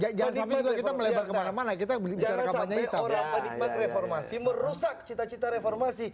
jajan sampai kita melebar kemana mana kita bisa nyanyi tapi reformasi merusak cita cita reformasi